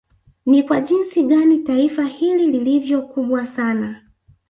Ni kwa jinsi gani Taifa hili lilivyo kubwa sana